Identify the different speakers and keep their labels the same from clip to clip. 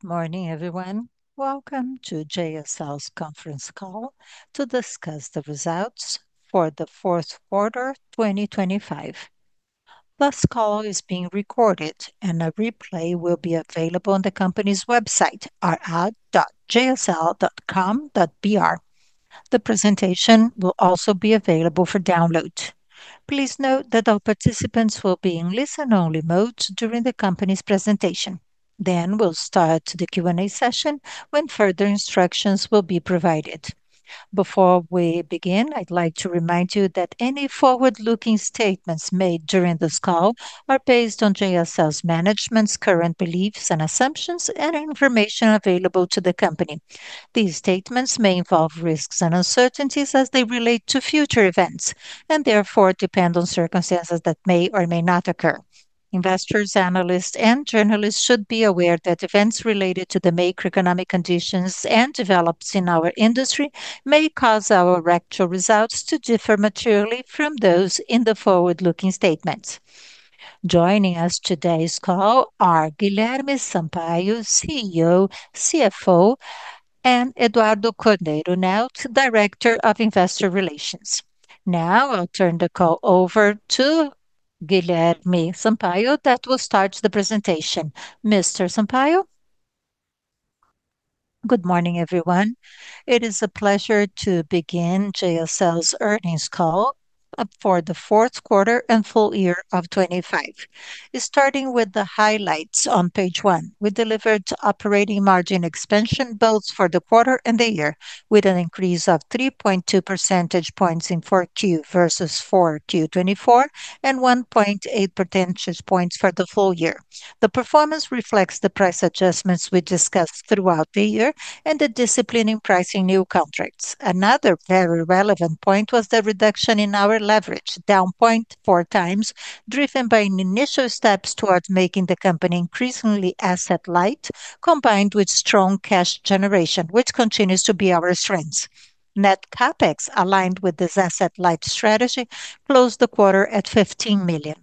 Speaker 1: Good morning, everyone. Welcome to JSL's conference call to discuss the results for the fourth quarter 2025. This call is being recorded, and a replay will be available on the company's website, ir.jsl.com.br. The presentation will also be available for download. Please note that all participants will be in listen-only mode during the company's presentation. We'll start the Q&A session when further instructions will be provided. Before we begin, I'd like to remind you that any forward-looking statements made during this call are based on JSL's management's current beliefs and assumptions and information available to the company. These statements may involve risks and uncertainties as they relate to future events and therefore depend on circumstances that may or may not occur. Investors, analysts, and journalists should be aware that events related to the macroeconomic conditions and developments in our industry may cause our actual results to differ materially from those in the forward-looking statements. Joining us on today's call are Guilherme Sampaio, CEO, CFO, and Eduardo Cordeiro Nauck, Director of Investor Relations. Now I'll turn the call over to Guilherme Sampaio that will start the presentation. Mr. Sampaio.
Speaker 2: Good morning, everyone. It is a pleasure to begin JSL's earnings call for the fourth quarter and full year of 2025. Starting with the highlights on page one, we delivered operating margin expansion both for the quarter and the year, with an increase of 3.2 percentage points in 4Q versus 4Q 2024 and 1.8 percentage points for the full year. The performance reflects the price adjustments we discussed throughout the year and the discipline in pricing new contracts. Another very relevant point was the reduction in our leverage, down 0.4x, driven by initial steps towards making the company increasingly asset light, combined with strong cash generation, which continues to be our strength. Net CapEx, aligned with this asset light strategy, closed the quarter at 15 million.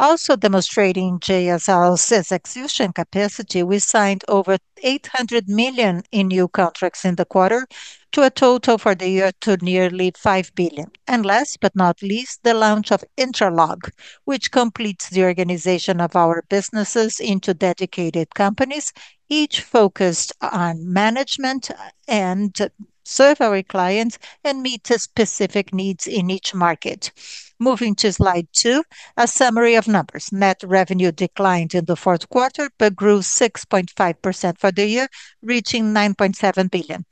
Speaker 2: Also demonstrating JSL's execution capacity, we signed over 800 million in new contracts in the quarter to a total for the year to nearly 5 billion. Last but not least, the launch of Intralog, which completes the organization of our businesses into dedicated companies, each focused on management and to serve our clients and meet specific needs in each market. Moving to slide two, a summary of numbers. Net revenue declined in the fourth quarter but grew 6.5% for the year, reaching 9.7 billion.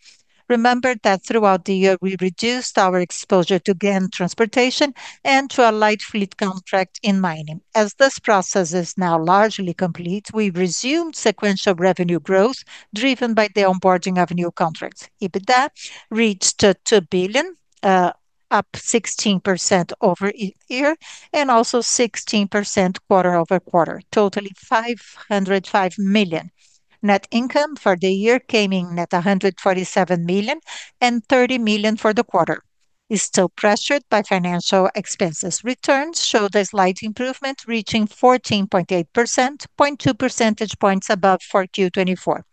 Speaker 2: Remember that throughout the year, we reduced our exposure to gain transportation and to a light fleet contract in mining. As this process is now largely complete, we've resumed sequential revenue growth driven by the onboarding of new contracts. EBITDA reached 2 billion up 16% year-over-year, and also 16% quarter-over-quarter, totaling 505 million. Net income for the year came in at 147 million and 30 million for the quarter. It's still pressured by financial expenses. Returns show the slight improvement, reaching 14.8%, 0.2 percentage points above 4Q 2024.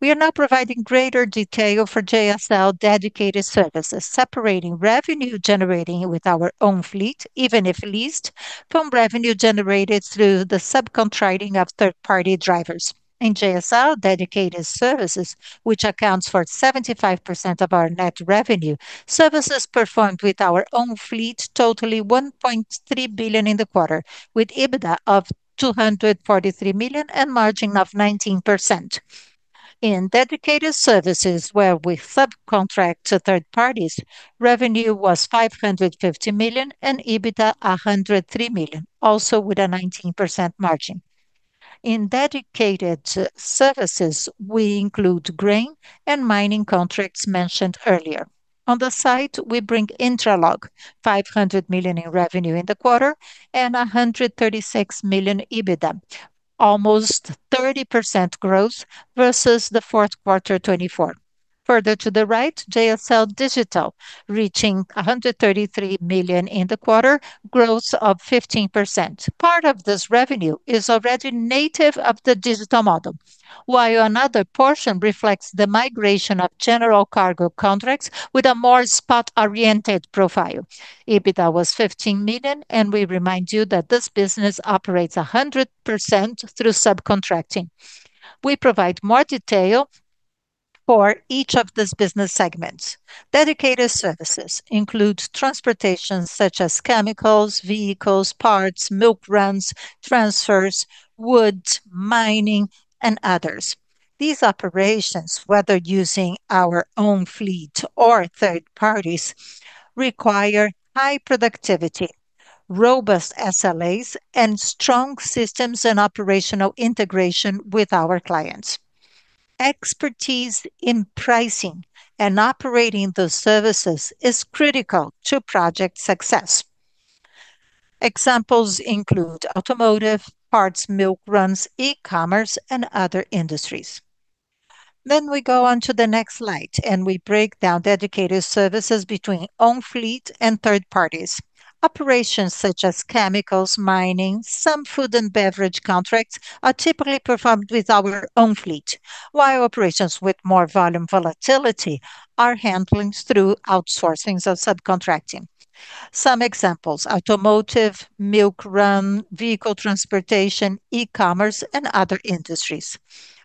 Speaker 2: We are now providing greater detail for JSL Dedicated Services, separating revenue generating with our own fleet, even if leased, from revenue generated through the subcontracting of third-party drivers. In JSL Dedicated Services, which accounts for 75% of our net revenue, services performed with our own fleet totaling 1.3 billion in the quarter, with EBITDA of 243 million and margin of 19%. In Dedicated Services where we subcontract to third parties, revenue was 550 million and EBITDA 103 million, also with a 19% margin. In Dedicated Services, we include grain and mining contracts mentioned earlier. On the side, we bring Intralog, 500 million in revenue in the quarter and 136 million EBITDA, almost 30% growth versus the fourth quarter 2024. Further to the right, JSL Digital reaching 133 million in the quarter, growth of 15%. Part of this revenue is already native of the digital model, while another portion reflects the migration of general cargo contracts with a more spot-oriented profile. EBITDA was 15 million, and we remind you that this business operates 100% through subcontracting. We provide more detail for each of these business segments. Dedicated Services include transportation such as chemicals, vehicles, parts, milk runs, transfers, wood, mining, and others. These operations, whether using our own fleet or third parties, require high productivity, robust SLAs, and strong systems and operational integration with our clients. Expertise in pricing and operating the services is critical to project success. Examples include automotive, parts, milk runs, e-commerce, and other industries. We go on to the next slide, and we break down dedicated services between own fleet and third parties. Operations such as chemicals, mining, some food and beverage contracts are typically performed with our own fleet, while operations with more volume volatility are handled through outsourcing, so subcontracting. Some examples. Automotive, milk run, vehicle transportation, e-commerce, and other industries.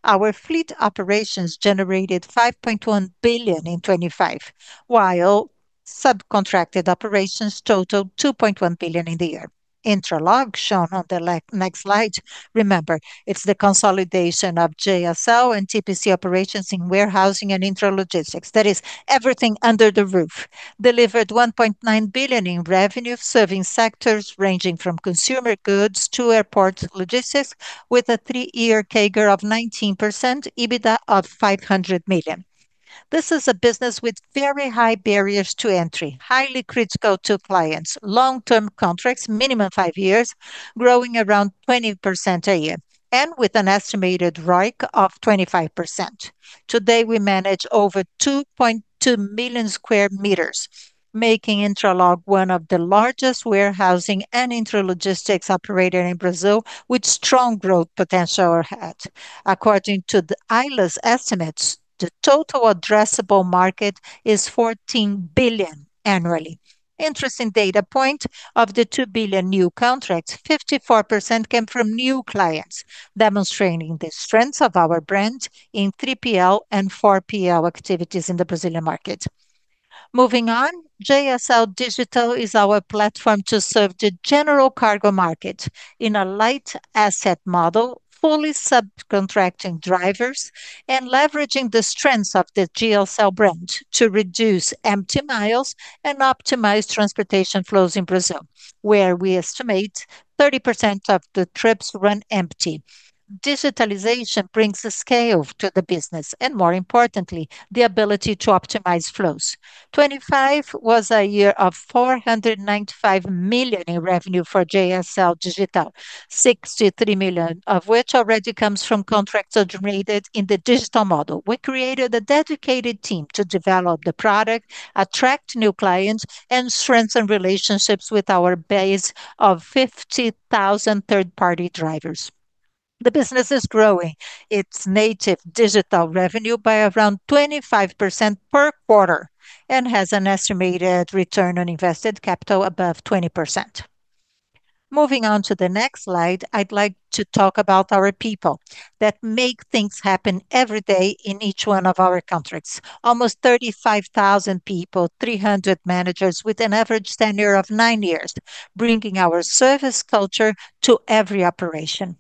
Speaker 2: Our fleet operations generated 5.1 billion in 2025, while subcontracted operations totaled 2.1 billion in the year. Intralog, shown on the next slide, remember, it's the consolidation of JSL and TPC operations in warehousing and intralogistics. That is everything under one roof. Delivered 1.9 billion in revenue, serving sectors ranging from consumer goods to airport logistics, with a three-year CAGR of 19%, EBITDA of 500 million. This is a business with very high barriers to entry, highly critical to clients. Long-term contracts, minimum five years, growing around 20% a year, and with an estimated ROIC of 25%. Today, we manage over 2.2 million sq m, making Intralog one of the largest warehousing and intralogistics operator in Brazil with strong growth potential ahead. According to the ILOS estimates, the total addressable market is 14 billion annually. Interesting data point, of the 2 billion new contracts, 54% came from new clients, demonstrating the strengths of our brand in 3PL and 4PL activities in the Brazilian market. Moving on, JSL Digital is our platform to serve the general cargo market in a light asset model, fully subcontracting drivers and leveraging the strengths of the JSL brand to reduce empty miles and optimize transportation flows in Brazil, where we estimate 30% of the trips run empty. Digitalization brings a scale to the business, and more importantly, the ability to optimize flows. 2025 was a year of 495 million in revenue for JSL Digital, 63 million of which already comes from contracts originated in the digital model. We created a dedicated team to develop the product, attract new clients, and strengthen relationships with our base of 50,000 third-party drivers. The business is growing its native digital revenue by around 25% per quarter and has an estimated return on invested capital above 20%. Moving on to the next slide, I'd like to talk about our people that make things happen every day in each one of our contracts. Almost 35,000 people, 300 managers with an average tenure of nine years, bringing our service culture to every operation.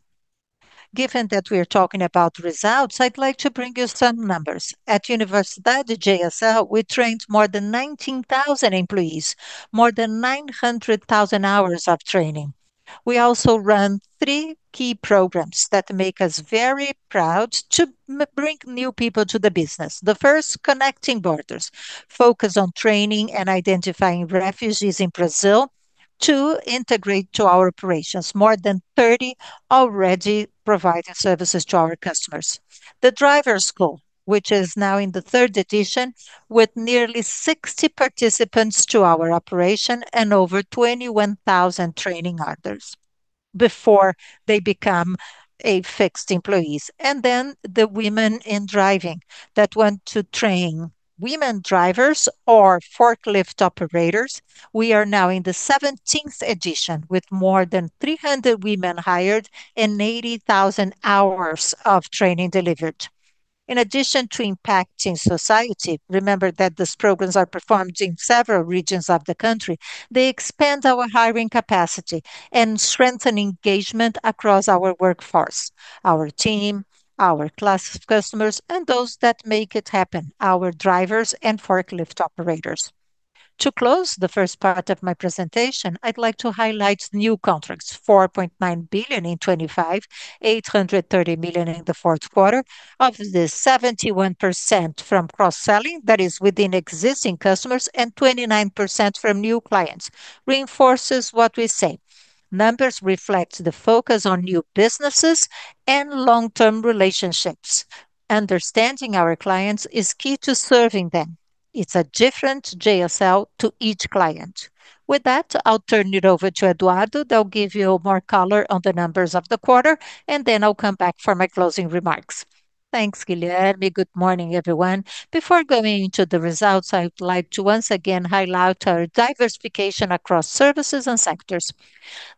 Speaker 2: Given that we are talking about results, I'd like to bring you some numbers. At Universidade JSL, we trained more than 19,000 employees, more than 900,000 hours of training. We also run three key programs that make us very proud to bring new people to the business. The first, Connecting Borders, focus on training and identifying refugees in Brazil to integrate to our operations, more than 30 already providing services to our customers. The Drivers School, which is now in the third edition, with nearly 60 participants to our operation and over 21,000 training hours before they become a fixed employees, the Women in Driving that want to train women drivers or forklift operators. We are now in the 17th edition with more than 300 women hired and 80,000 hours of training delivered. In addition to impacting society, remember that these programs are performed in several regions of the country. They expand our hiring capacity and strengthen engagement across our workforce, our team, our class of customers, and those that make it happen, our drivers and forklift operators. To close the first part of my presentation, I'd like to highlight new contracts, 4.9 billion in 2025, 830 million in the fourth quarter. Of this, 71% from cross-selling, that is within existing customers, and 29% from new clients. Reinforces what we say. Numbers reflect the focus on new businesses and long-term relationships. Understanding our clients is key to serving them. It's a different JSL to each client. With that, I'll turn it over to Eduardo that'll give you more color on the numbers of the quarter, and then I'll come back for my closing remarks.
Speaker 3: Thanks, Guilherme. Good morning, everyone. Before going into the results, I would like to once again highlight our diversification across services and sectors.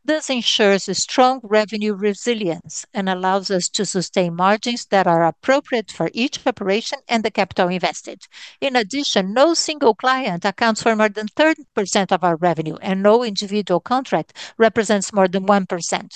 Speaker 3: This ensures a strong revenue resilience and allows us to sustain margins that are appropriate for each preparation and the capital invested. In addition, no single client accounts for more than 30% of our revenue, and no individual contract represents more than 1%.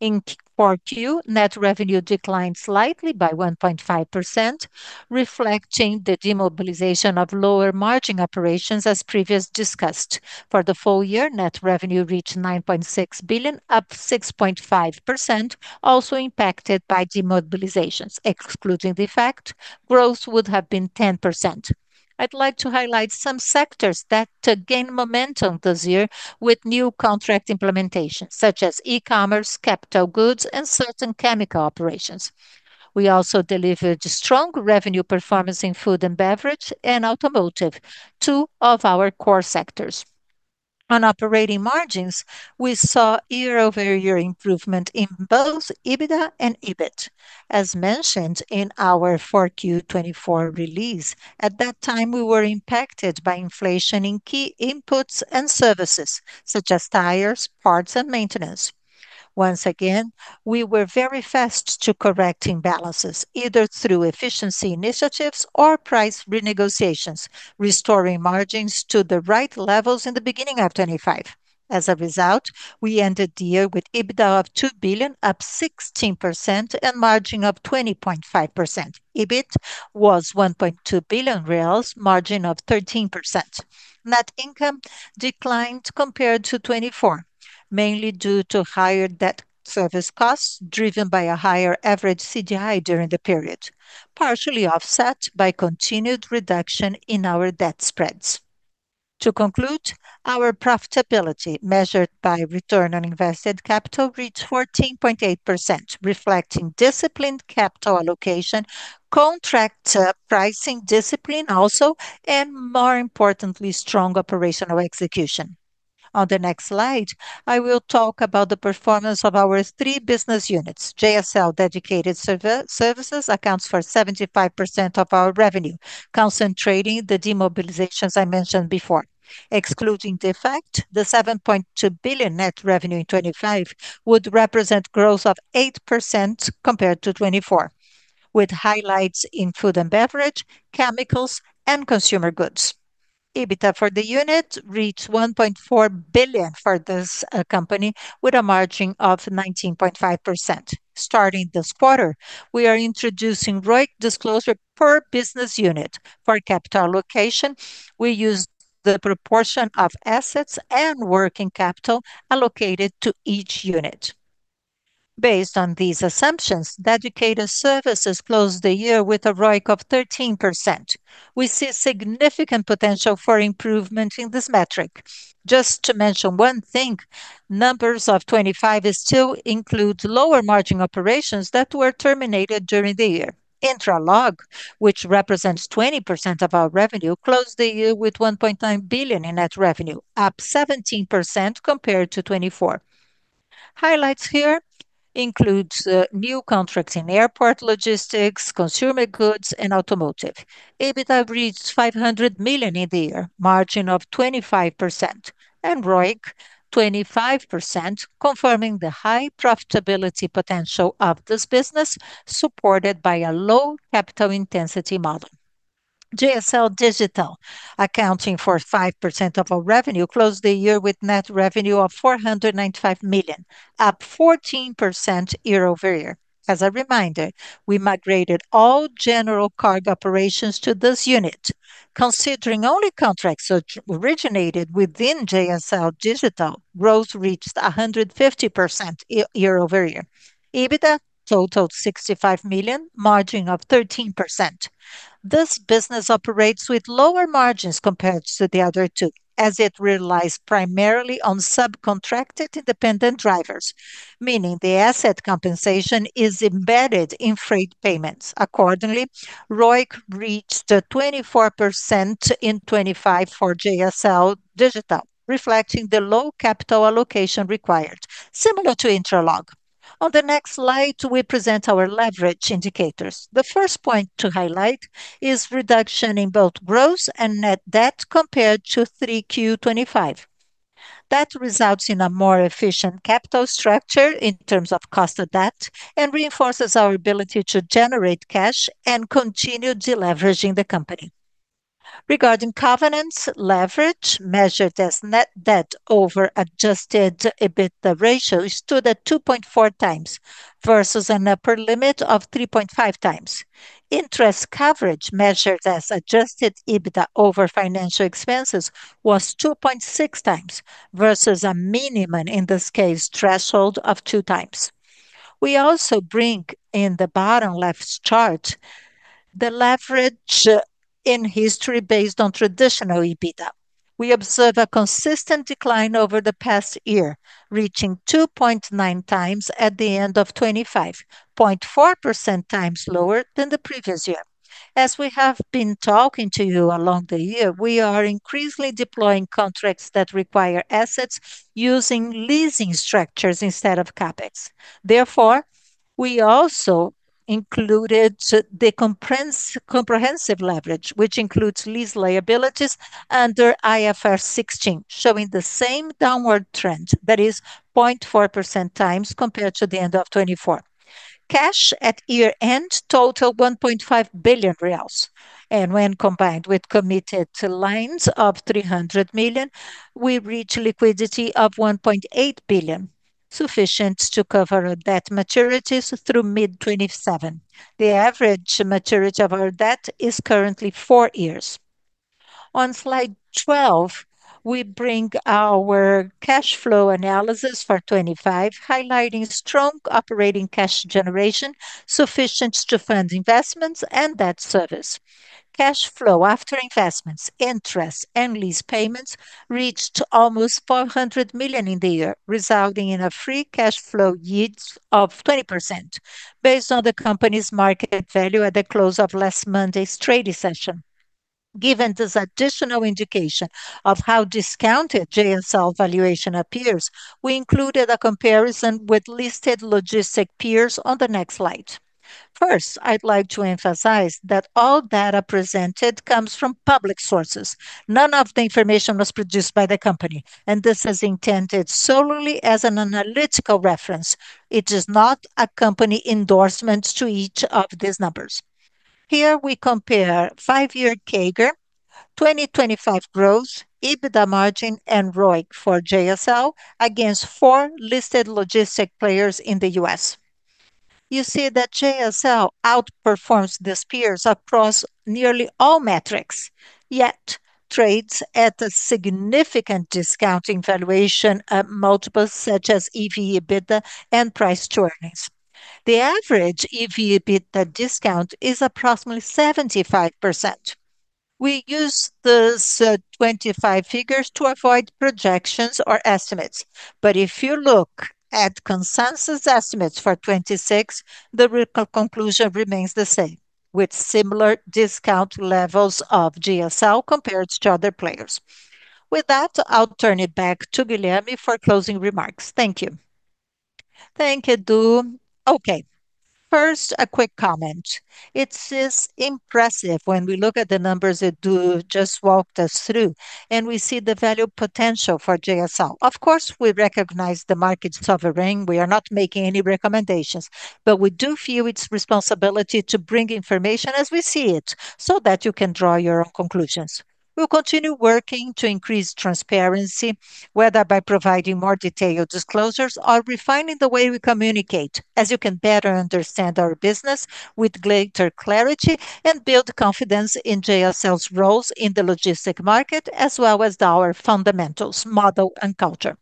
Speaker 3: In Q4, net revenue declined slightly by 1.5%, reflecting the demobilization of lower margin operations as previously discussed. For the full year, net revenue reached 9.6 billion, up 6.5%, also impacted by demobilizations. Excluding the effect, growth would have been 10%. I'd like to highlight some sectors that gained momentum this year with new contract implementation, such as e-commerce, capital goods, and certain chemical operations. We also delivered strong revenue performance in food and beverage and automotive, two of our core sectors. On operating margins, we saw year-over-year improvement in both EBITDA and EBIT. As mentioned in our 4Q 2024 release, at that time, we were impacted by inflation in key inputs and services, such as tires, parts, and maintenance. Once again, we were very fast to correct imbalances, either through efficiency initiatives or price renegotiations, restoring margins to the right levels in the beginning of 2025. As a result, we ended the year with EBITDA of 2 billion, up 16% and margin of 20.5%. EBIT was 1.2 billion reais, margin of 13%. Net income declined compared to 2024, mainly due to higher debt service costs, driven by a higher average CDI during the period, partially offset by continued reduction in our debt spreads. To conclude, our profitability measured by return on invested capital reached 14.8%, reflecting disciplined capital allocation, contract pricing discipline also, and more importantly, strong operational execution. On the next slide, I will talk about the performance of our three business units. JSL Dedicated Services accounts for 75% of our revenue, concentrating the demobilizations I mentioned before. Excluding the effect, the 7.2 billion net revenue in 2025 would represent growth of 8% compared to 2024, with highlights in food and beverage, chemicals, and consumer goods. EBITDA for the unit reached 1.4 billion for this company, with a margin of 19.5%. Starting this quarter, we are introducing ROIC disclosure per business unit. For capital allocation, we use the proportion of assets and working capital allocated to each unit. Based on these assumptions, Dedicated Services closed the year with a ROIC of 13%. We see significant potential for improvement in this metric. Just to mention one thing, numbers of 2025 still includes lower margin operations that were terminated during the year. Intralog, which represents 20% of our revenue, closed the year with 1.9 billion in net revenue, up 17% compared to 2024. Highlights here includes new contracts in airport logistics, consumer goods, and automotive. EBITDA reached 500 million in the year, margin of 25%, and ROIC 25%, confirming the high profitability potential of this business, supported by a low capital intensity model. JSL Digital, accounting for 5% of our revenue, closed the year with net revenue of 495 million, up 14% year-over-year. As a reminder, we migrated all general cargo operations to this unit. Considering only contracts which originated within JSL Digital, growth reached 150% year-over-year. EBITDA totaled 65 million, margin of 13%. This business operates with lower margins compared to the other two, as it relies primarily on subcontracted independent drivers, meaning the asset compensation is embedded in freight payments. Accordingly, ROIC reached 24% in 2025 for JSL Digital, reflecting the low capital allocation required, similar to Intralog. On the next slide, we present our leverage indicators. The first point to highlight is reduction in both gross and net debt compared to 3Q 2025. That results in a more efficient capital structure in terms of cost of debt and reinforces our ability to generate cash and continue deleveraging the company. Regarding covenants, leverage measured as net debt over adjusted EBITDA ratio stood at 2.4x versus an upper limit of 3.5x. Interest coverage measured as adjusted EBITDA over financial expenses was 2.6x versus a minimum, in this case, threshold of 2x. We also bring in the bottom left chart the leverage in history based on traditional EBITDA. We observe a consistent decline over the past year, reaching 2.9x at the end of 2025, 40% lower than the previous year. We have been talking to you along the year. We are increasingly deploying contracts that require assets using leasing structures instead of CapEx. Therefore, we also included the comprehensive leverage, which includes lease liabilities under IFRS 16, showing the same downward trend, that is 0.4x lower compared to the end of 2024. Cash at year-end totaled 1.5 billion reais, and when combined with committed lines of 300 million, we reach liquidity of 1.8 billion. Sufficient to cover our debt maturities through mid-2027. The average maturity of our debt is currently four years. On slide 12, we bring our cash flow analysis for 2025, highlighting strong operating cash generation sufficient to fund investments and debt service. Cash flow after investments, interest, and lease payments reached almost 400 million in the year, resulting in a free cash flow yield of 20% based on the company's market value at the close of last Monday's trading session. Given this additional indication of how discounted JSL valuation appears, we included a comparison with listed logistics peers on the next slide. First, I'd like to emphasize that all data presented comes from public sources. None of the information was produced by the company, and this is intended solely as an analytical reference. It is not a company endorsement to each of these numbers. Here we compare five-year CAGR, 2025 growth, EBITDA margin, and ROIC for JSL against four listed logistics players in the U.S. You see that JSL outperforms these peers across nearly all metrics, yet trades at a significant discount in valuation at multiples such as EV/EBITDA and price to earnings. The average EV/EBITDA discount is approximately 75%. We use these 2025 figures to avoid projections or estimates. If you look at consensus estimates for 2026, the conclusion remains the same, with similar discount levels of JSL compared to other players. With that, I'll turn it back to Guilherme for closing remarks. Thank you.
Speaker 2: Thank you, Edu. Okay, first, a quick comment. It is impressive when we look at the numbers that Edu just walked us through, and we see the value potential for JSL. Of course, we recognize the market's overreaction. We are not making any recommendations, but we do feel it's our responsibility to bring information as we see it, so that you can draw your own conclusions. We'll continue working to increase transparency, whether by providing more detailed disclosures or refining the way we communicate, so you can better understand our business with greater clarity and build confidence in JSL's role in the logistics market, as well as our fundamentals, model, and culture.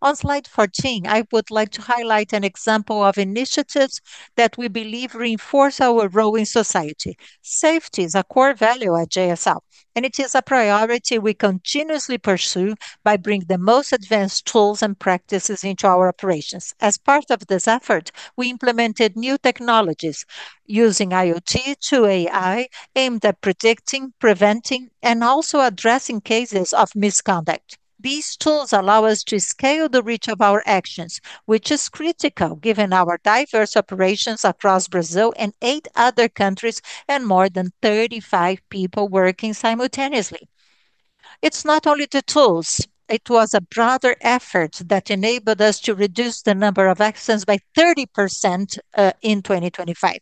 Speaker 2: On slide 14, I would like to highlight an example of initiatives that we believe reinforce our role in society. Safety is a core value at JSL, and it is a priority we continuously pursue by bringing the most advanced tools and practices into our operations. As part of this effort, we implemented new technologies using IoT to AI, aimed at predicting, preventing, and also addressing cases of misconduct. These tools allow us to scale the reach of our actions, which is critical given our diverse operations across Brazil and eight other countries and more than 35 people working simultaneously. It's not only the tools. It was a broader effort that enabled us to reduce the number of accidents by 30% in 2025.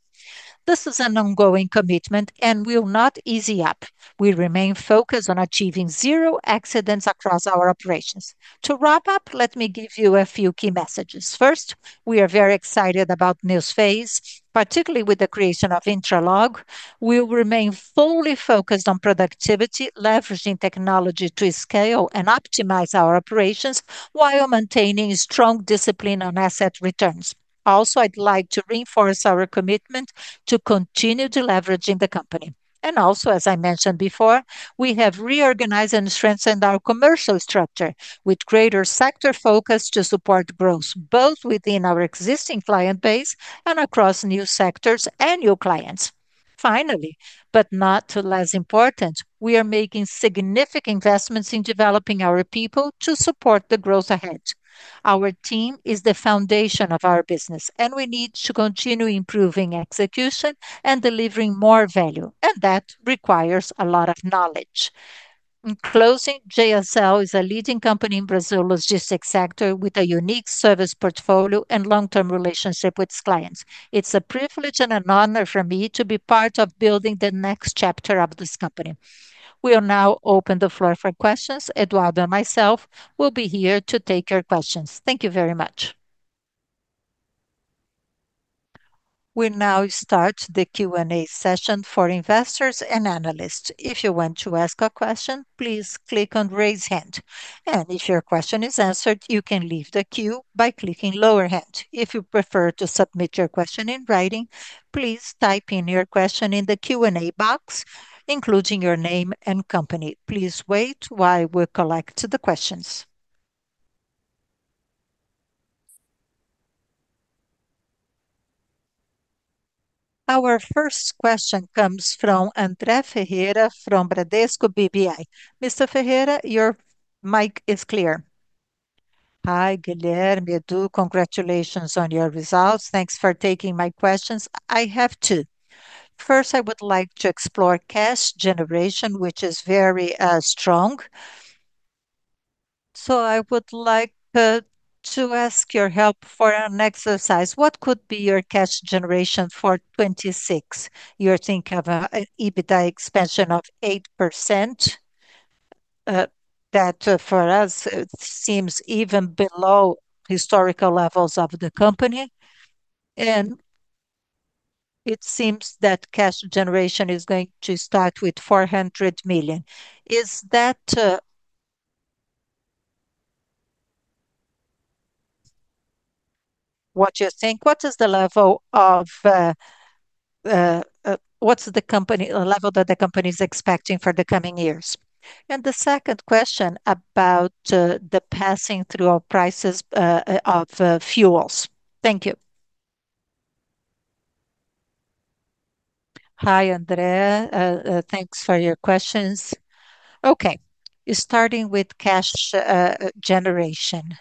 Speaker 2: This is an ongoing commitment and will not ease up. We remain focused on achieving zero accidents across our operations. To wrap up, let me give you a few key messages. First, we are very excited about this phase, particularly with the creation of Intralog. We will remain fully focused on productivity, leveraging technology to scale and optimize our operations while maintaining strong discipline on asset returns. I'd like to reinforce our commitment to continue deleveraging the company. As I mentioned before, we have reorganized and strengthened our commercial structure with greater sector focus to support growth, both within our existing client base and across new sectors and new clients. Finally, but not less important, we are making significant investments in developing our people to support the growth ahead. Our team is the foundation of our business, and we need to continue improving execution and delivering more value, and that requires a lot of knowledge. In closing, JSL is a leading company in Brazil logistics sector with a unique service portfolio and long-term relationship with its clients. It's a privilege and an honor for me to be part of building the next chapter of this company. We will now open the floor for questions. Eduardo and myself will be here to take your questions. Thank you very much.
Speaker 1: We now start the Q&A session for investors and analysts. If you want to ask a question, please click on raise hand. If your question is answered, you can leave the queue by clicking lower hand. If you prefer to submit your question in writing, please type in your question in the Q&A box, including your name and company. Please wait while we collect the questions. Our first question comes from André Ferreira from Bradesco BBI. Mr. Ferreira, your mic is clear.
Speaker 4: Hi, Guilherme, Edu. Congratulations on your results. Thanks for taking my questions. I have two. First, I would like to explore cash generation, which is very strong. I would like to ask your help for an exercise. What could be your cash generation for 2026? You're thinking of an EBITDA expansion of 8%?That, for us, seems even below historical levels of the company. It seems that cash generation is going to start with 400 million. Is that what you think? What is the level of, what's the company level that the company's expecting for the coming years? The second question about the pass-through of prices of fuels. Thank you.
Speaker 3: Hi, André. Thanks for your questions. Okay. Starting with cash generation.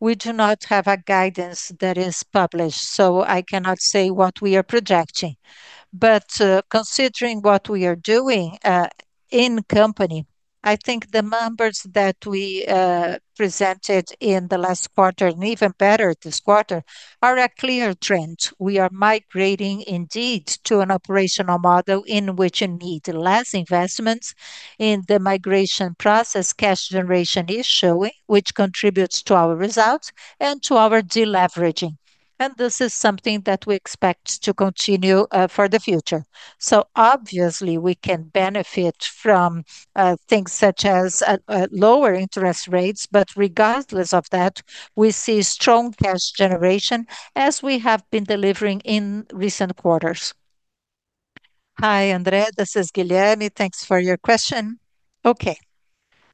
Speaker 3: We do not have a guidance that is published, so I cannot say what we are projecting. Considering what we are doing in the company, I think the numbers that we presented in the last quarter, and even better this quarter, are a clear trend. We are migrating indeed to an operational model in which you need less investments. In the migration process, cash generation is showing, which contributes to our results and to our de-leveraging. This is something that we expect to continue for the future. Obviously we can benefit from things such as lower interest rates, but regardless of that, we see strong cash generation as we have been delivering in recent quarters.
Speaker 2: Hi, André, this is Guilherme. Thanks for your question. Okay.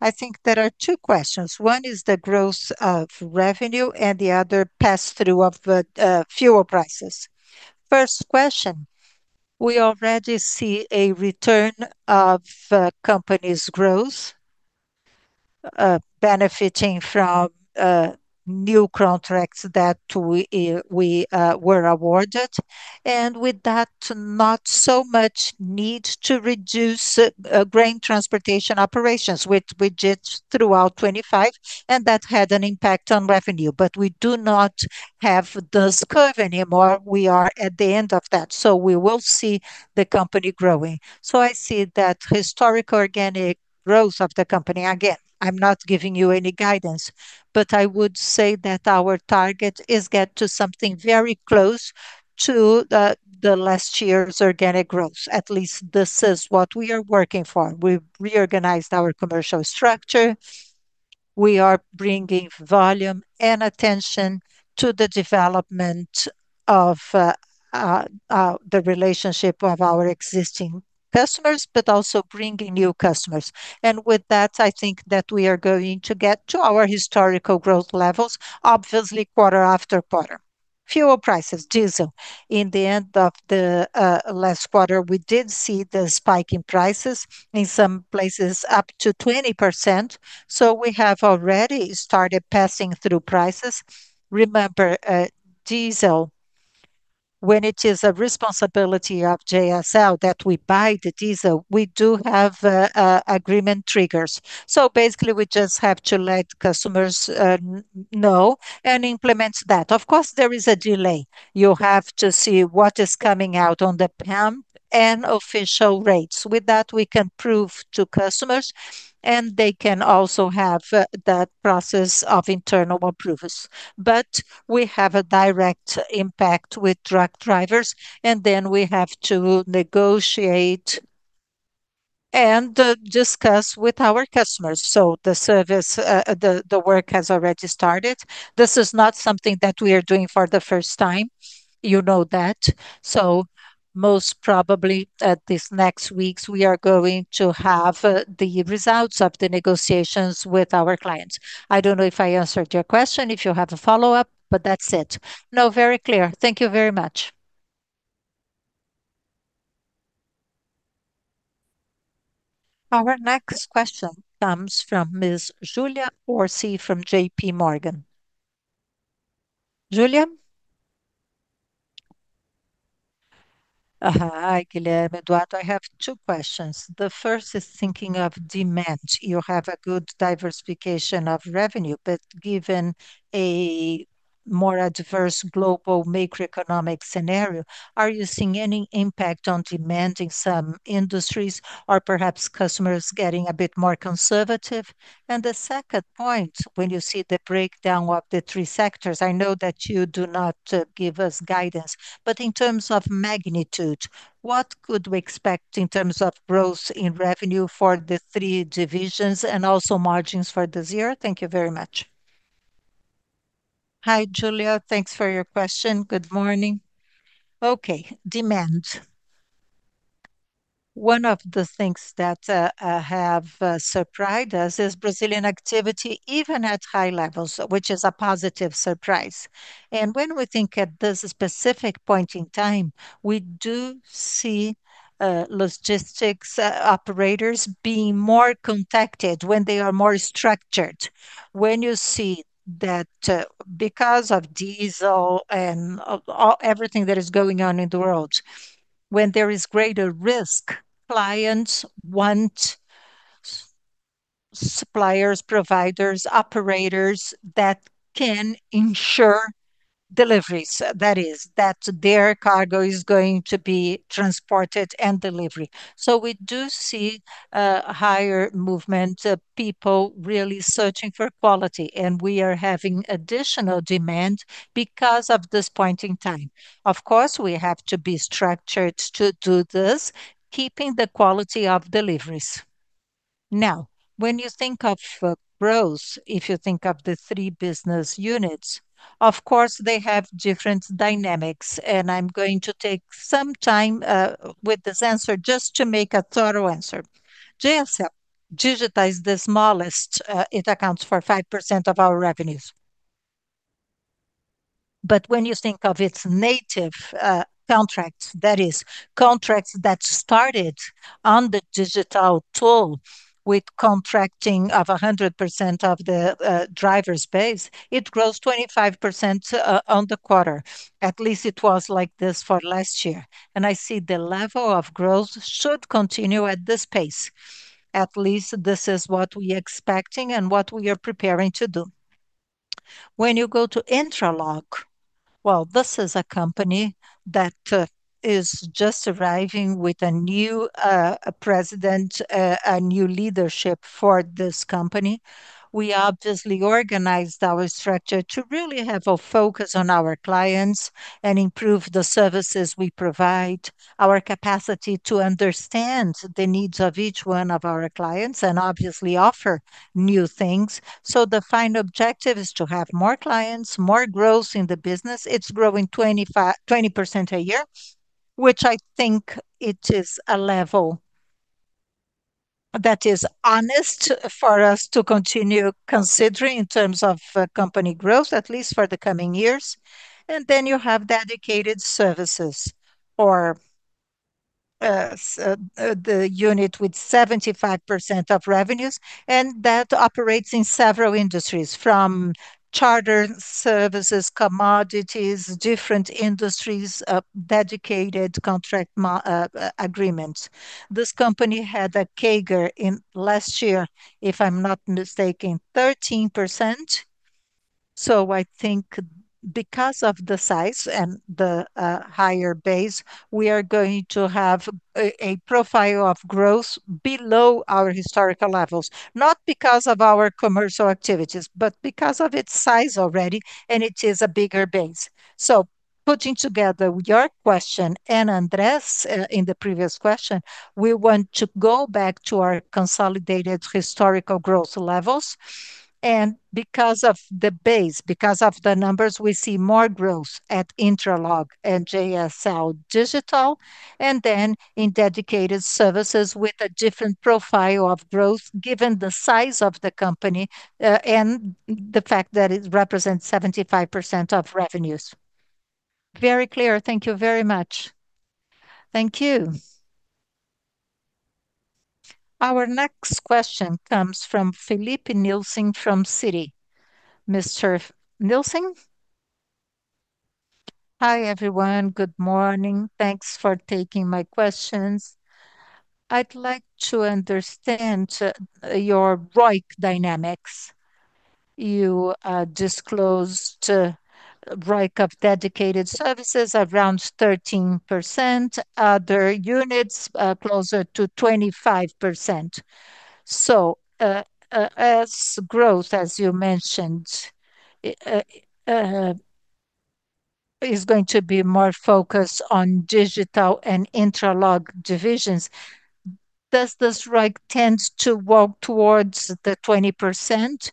Speaker 2: I think there are two questions. One is the growth of revenue, and the other pass-through of fuel prices. First question, we already see a return of company's growth, benefiting from new contracts that we were awarded. With that, not so much need to reduce grain transportation operations which we did throughout 2025, and that had an impact on revenue, but we do not have this curve anymore. We are at the end of that. We will see the company growing. I see that historic organic growth of the company. Again, I'm not giving you any guidance. I would say that our target is get to something very close to the last year's organic growth, at least this is what we are working for. We've reorganized our commercial structure. We are bringing volume and attention to the development of the relationship of our existing customers, but also bringing new customers. With that, I think that we are going to get to our historical growth levels, obviously quarter after quarter. Fuel prices. Diesel. In the end of the last quarter, we did see the spike in prices, in some places up to 20%, so we have already started passing through prices. Remember, diesel, when it is a responsibility of JSL that we buy the diesel, we do have agreement triggers. Basically we just have to let customers know and implement that. Of course, there is a delay. You have to see what is coming out on the pump and official rates. With that, we can prove to customers, and they can also have that process of internal approvals. We have a direct impact with truck drivers, and then we have to negotiate and discuss with our customers. The service, the work has already started. This is not something that we are doing for the first time. You know that. Most probably, these next weeks, we are going to have the results of the negotiations with our clients. I don't know if I answered your question, if you have a follow-up, but that's it.
Speaker 4: No, very clear. Thank you very much.
Speaker 1: Our next question comes from Ms. Julia Orsi from J.P. Morgan. Julia?
Speaker 5: Hi, Guilherme, Eduardo. I have two questions. The first is thinking of demand. You have a good diversification of revenue, but given a more a diverse global macroeconomic scenario, are you seeing any impact on demand in some industries or perhaps customers getting a bit more conservative? The second point, when you see the breakdown of the three sectors, I know that you do not give us guidance, but in terms of magnitude, what could we expect in terms of growth in revenue for the three divisions and also margins for this year? Thank you very much.
Speaker 2: Hi, Julia. Thanks for your question. Good morning. Okay. Demand. One of the things that have surprised us is Brazilian activity even at high levels, which is a positive surprise. When we think at this specific point in time, we do see logistics operators being more contacted when they are more structured. When you see that, because of diesel and all everything that is going on in the world, when there is greater risk, clients want suppliers, providers, operators that can ensure deliveries, that is, that their cargo is going to be transported and delivery. We do see higher movement of people really searching for quality, and we are having additional demand because of this point in time. Of course, we have to be structured to do this, keeping the quality of deliveries. Now, when you think of growth, if you think of the three business units. Of course, they have different dynamics, and I'm going to take some time with this answer just to make a thorough answer. JSL Digital is the smallest. It accounts for 5% of our revenues. When you think of its native contracts, that is contracts that started on the digital tool with contracting of 100% of the drivers base, it grows 25% on the quarter. At least it was like this for last year. I see the level of growth should continue at this pace. At least this is what we expecting and what we are preparing to do. When you go to Intralog, well, this is a company that is just arriving with a new president, a new leadership for this company. We obviously organized our structure to really have a focus on our clients and improve the services we provide, our capacity to understand the needs of each one of our clients, and obviously offer new things. The final objective is to have more clients, more growth in the business. It's growing 20% a year, which I think it is a level that is honest for us to continue considering in terms of company growth, at least for the coming years. You have Dedicated Services, or the unit with 75% of revenues, and that operates in several industries, from charter services, commodities, different industries, dedicated contract agreements. This company had a CAGR in last year, if I'm not mistaken, 13%. I think because of the size and the higher base, we are going to have a profile of growth below our historical levels, not because of our commercial activities, but because of its size already, and it is a bigger base. Putting together your question and André's in the previous question, we want to go back to our consolidated historical growth levels. Because of the base, because of the numbers, we see more growth at Intralog and JSL Digital, and then in Dedicated Services with a different profile of growth given the size of the company, and the fact that it represents 75% of revenues.
Speaker 5: Very clear. Thank you very much.
Speaker 2: Thank you.
Speaker 1: Our next question comes from Filipe Nielsen from Citi. Mr. Nielsen?
Speaker 6: Hi, everyone. Good morning. Thanks for taking my questions. I'd like to understand your ROIC dynamics. You disclosed ROIC of Dedicated Services around 13%, other units closer to 25%. As growth, as you mentioned, is going to be more focused on Digital and Intralog divisions, does this ROIC tends to walk towards the 20%?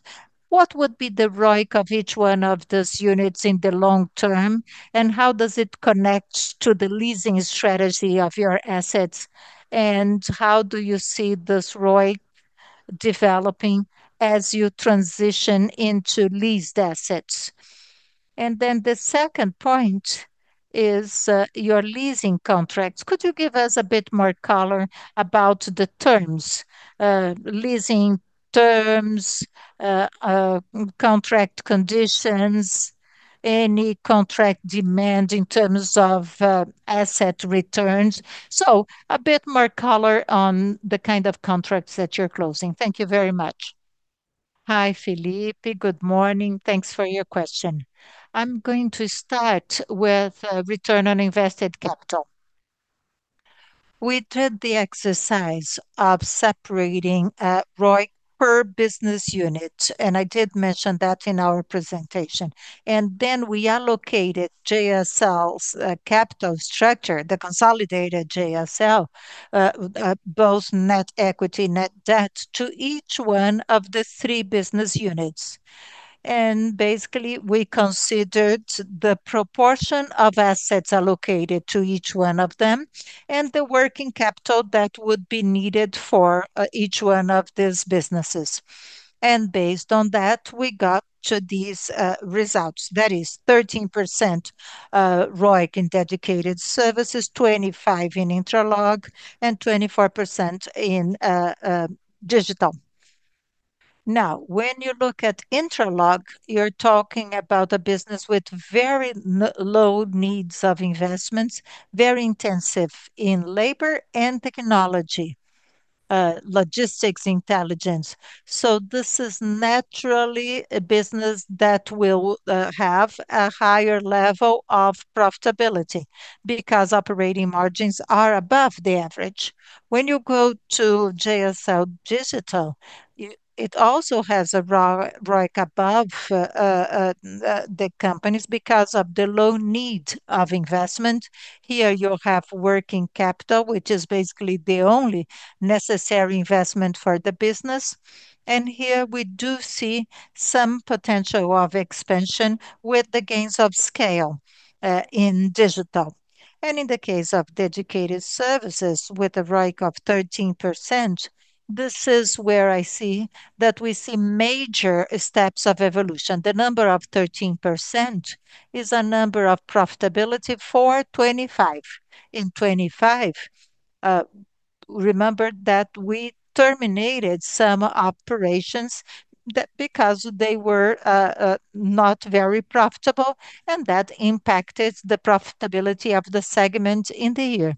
Speaker 6: What would be the ROIC of each one of those units in the long term, and how does it connect to the leasing strategy of your assets? How do you see this ROIC developing as you transition into leased assets? The second point is, your leasing contracts. Could you give us a bit more color about the terms, leasing terms, contract conditions, any contract demand in terms of asset returns? A bit more color on the kind of contracts that you're closing. Thank you very much.
Speaker 3: Hi, Filipe. Good morning. Thanks for your question. I'm going to start with, return on invested capital. We did the exercise of separating, ROIC per business unit, and I did mention that in our presentation. We allocated JSL's capital structure, the consolidated JSL, both net equity, net debt to each one of the three business units. Basically, we considered the proportion of assets allocated to each one of them and the working capital that would be needed for each one of these businesses. Based on that, we got to these results. That is 13% ROIC in Dedicated Services, 25% in Intralog, and 24% in Digital. Now, when you look at Intralog, you're talking about a business with very low needs of investments, very intensive in labor and technology, logistics intelligence. So this is naturally a business that will have a higher level of profitability because operating margins are above the average. When you go to JSL Digital, it also has a ROIC above the companies because of the low need of investment. Here you have working capital, which is basically the only necessary investment for the business. Here we do see some potential of expansion with the gains of scale in digital. In the case of Dedicated Services with a ROIC of 13%, this is where I see that we see major steps of evolution. The number of 13% is a number of profitability for 2025. In 2025, remember that we terminated some operations because they were not very profitable and that impacted the profitability of the segment in the year.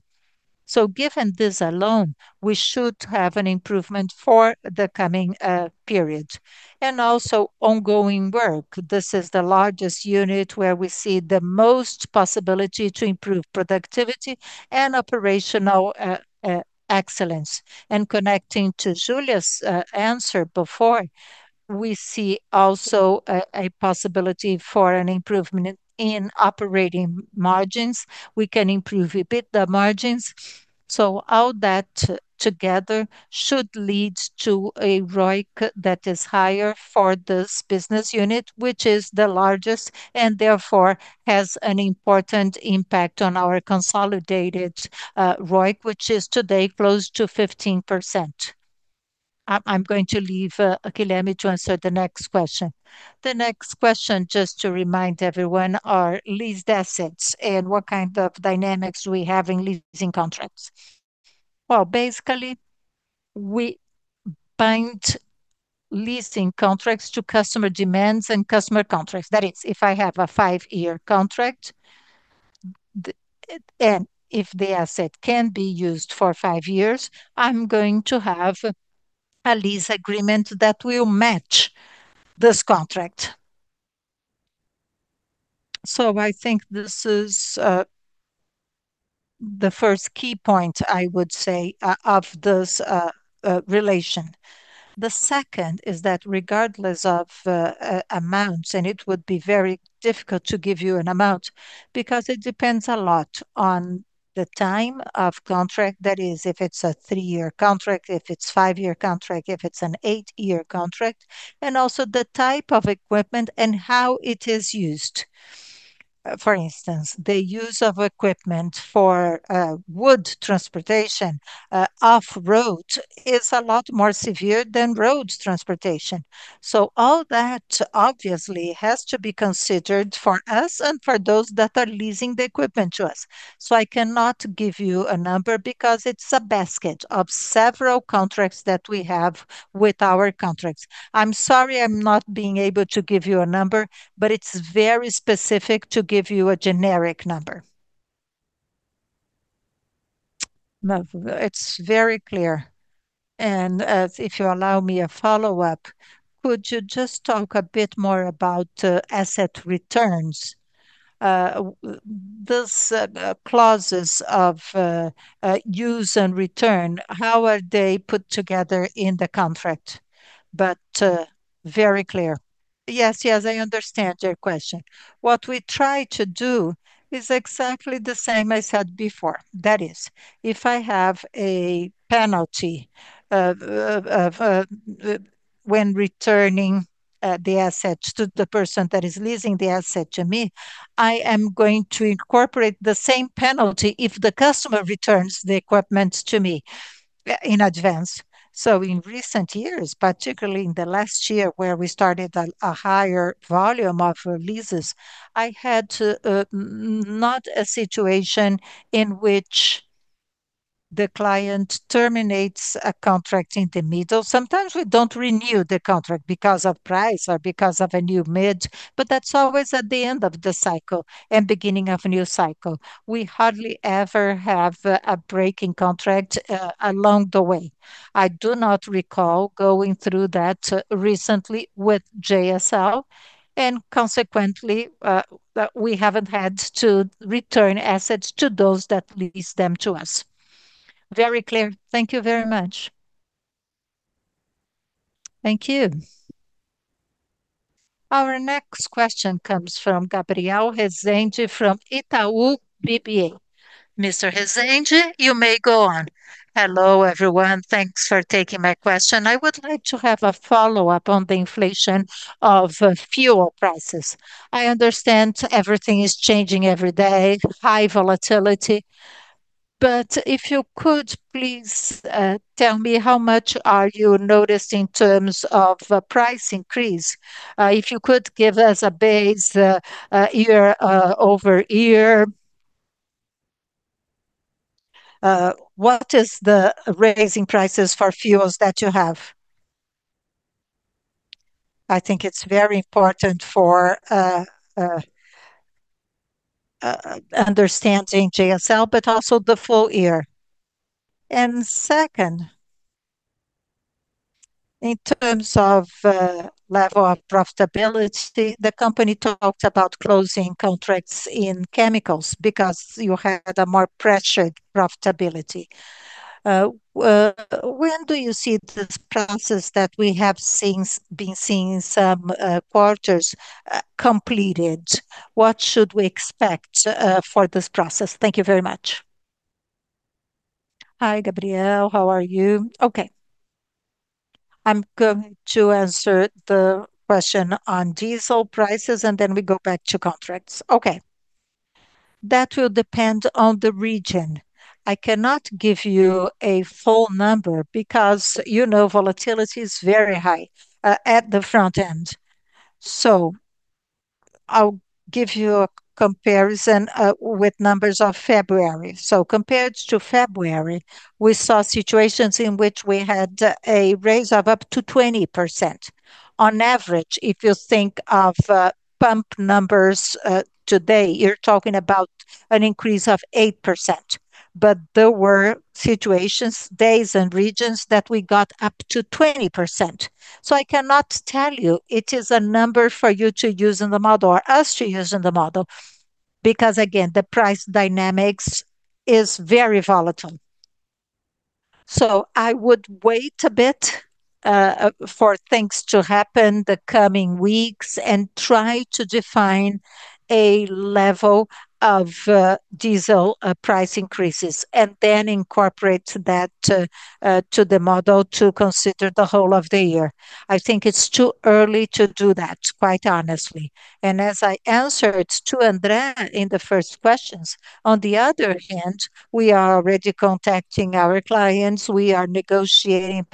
Speaker 3: Given this alone, we should have an improvement for the coming period. Also ongoing work. This is the largest unit where we see the most possibility to improve productivity and operational excellence. Connecting to Julia's answer before, we see also a possibility for an improvement in operating margins. We can improve a bit the margins. All that together should lead to a ROIC that is higher for this business unit, which is the largest, and therefore has an important impact on our consolidated ROIC, which is today close to 15%. I'm going to leave Guilherme to answer the next question.
Speaker 2: The next question, just to remind everyone, are leased assets and what kind of dynamics we have in leasing contracts. Well, basically we bind leasing contracts to customer demands and customer contracts. That is, if I have a five-year contract, the... If the asset can be used for five years, I'm going to have a lease agreement that will match this contract. I think this is the first key point, I would say, of this relation. The second is that regardless of amounts, and it would be very difficult to give you an amount because it depends a lot on the time of contract. That is, if it's a three-year contract, if it's a five-year contract, if it's an eight-year contract, and also the type of equipment and how it is used. For instance, the use of equipment for wood transportation off-road is a lot more severe than road transportation. All that obviously has to be considered for us and for those that are leasing the equipment to us. I cannot give you a number because it's a basket of several contracts that we have with our contracts. I'm sorry I'm not being able to give you a number, but it's very specific to give you a generic number.
Speaker 6: No, it's very clear. If you allow me a follow-up, could you just talk a bit more about asset returns? Clauses of use and return, how are they put together in the contract? Very clear.
Speaker 2: Yes, I understand your question. What we try to do is exactly the same I said before. That is, if I have a penalty of when returning the assets to the person that is leasing the asset to me, I am going to incorporate the same penalty if the customer returns the equipment to me in advance. In recent years, particularly in the last year where we started a higher volume of leases, I had not a situation in which the client terminates a contract in the middle. Sometimes we don't renew the contract because of price or because of a new bid, but that's always at the end of the cycle and beginning of a new cycle. We hardly ever have a breaking contract along the way. I do not recall going through that recently with JSL, and consequently, we haven't had to return assets to those that lease them to us.
Speaker 6: Very clear. Thank you very much.
Speaker 2: Thank you.
Speaker 1: Our next question comes from Gabriel Rezende from Itaú BBA. Mr. Rezende, you may go on.
Speaker 7: Hello, everyone. Thanks for taking my question. I would like to have a follow-up on the inflation of fuel prices. I understand everything is changing every day, high volatility, but if you could please tell me how much are you noticing in terms of a price increase. If you could give us a base year over year. What is the rising prices for fuels that you have? I think it's very important for understanding JSL, but also the full year. Second, in terms of level of profitability, the company talked about closing contracts in chemicals because you had a more pressured profitability. When do you see this process that we have been seeing some quarters completed? What should we expect for this process? Thank you very much.
Speaker 2: Hi, Gabriel. How are you? Okay. I'm going to answer the question on diesel prices, and then we go back to contracts. Okay. That will depend on the region. I cannot give you a full number because, you know, volatility is very high at the front end. I'll give you a comparison with numbers of February. Compared to February, we saw situations in which we had a raise of up to 20%. On average, if you think of pump numbers today, you're talking about an increase of 8%. There were situations, days and regions that we got up to 20%. I cannot tell you it is a number for you to use in the model or us to use in the model because again, the price dynamics is very volatile. I would wait a bit for things to happen in the coming weeks and try to define a level of diesel price increases and then incorporate that to the model to consider the whole of the year. I think it's too early to do that, quite honestly. As I answered to André in the first questions, on the other hand, we are already contacting our clients. We are negotiating